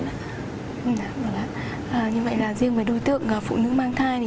như vậy là riêng với đối tượng phụ nữ mang thai thì